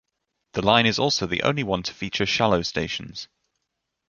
The line is also the only one to feature shallow stations.